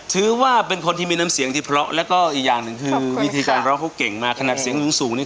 คือว่าเป็นคนที่พอร้องเพราะว่าพระราชอาณาจริงและวิธีการร้องเขาเป็นคนเก่งมาก